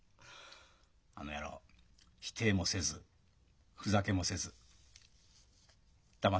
あの野郎否定もせずふざけもせず黙ってやがった。